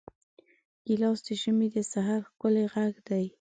ګیلاس د ژمي د سحر ښکلی غږ دی.